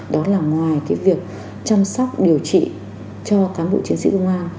đó là ngoài cái việc chăm sóc điều trị cho cán bộ chiến sĩ công an